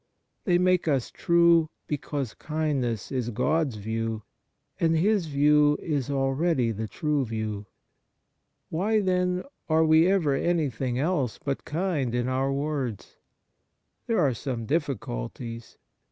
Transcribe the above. They make us true, because kindness is God's view, and His view is already the true view. Kind Words 77 Why, then, are we ever anything else but kind in our words ? There are some difficulties.